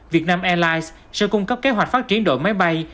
việt nam airlines sẽ cung cấp kế hoạch phát triển đội máy bay